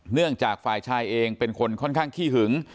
เนื่องจากฝ่ายชายเองเป็นคนค่อนข้างขี้หึง